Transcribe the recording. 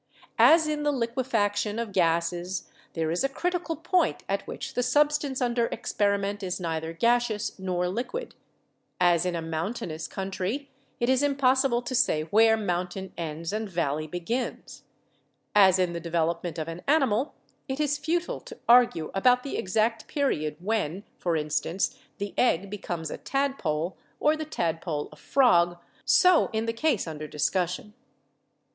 As in the liquefaction of gases, there is a 'critical point' at which the substance under experiment is neither gaseous nor liquid; as in a mountainous country, it is im possible to say where mountain ends and valley begins ; as in the development of an animal, it is futile to argue about the exact period when, for instance, the egg becomes a tadpole or the tadpole a frog, so in the case under dis cussion.